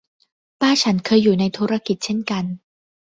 ป้าฉันเคยอยู่ในธุรกิจเช่นกัน